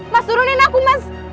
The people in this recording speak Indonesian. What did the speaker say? mas turunin aku mas